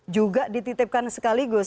juga dititipkan sekaligus